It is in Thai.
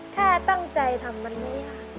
แค่ตั้งใจทำวันนี้ค่ะ